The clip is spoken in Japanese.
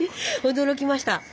驚きました。